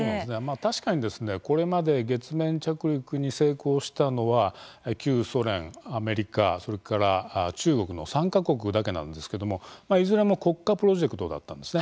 確かにですね、これまで月面着陸に成功したのは、旧ソ連アメリカ、それから、中国の３か国だけなんですけどもいずれも国家プロジェクトだったんですね。